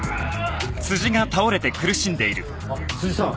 あっ辻さん。